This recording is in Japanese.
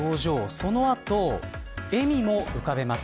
そのあと笑みも浮かべます。